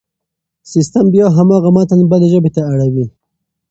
سيستم بيا هماغه متن بلې ژبې ته اړوي.